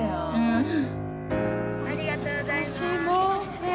ありがとうございます。